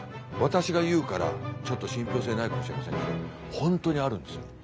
私が言うからちょっと信ぴょう性ないかもしれませんけど本当にあるんですよ。